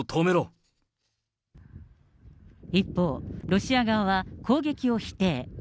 一方、ロシア側は攻撃を否定。